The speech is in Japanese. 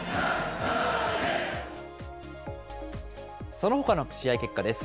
そのほかの試合結果です。